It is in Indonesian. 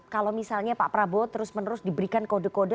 kalau misalnya pak prabowo terus menerus diberikan kode kode